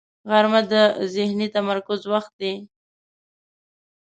غرمه د ذهني تمرکز وخت دی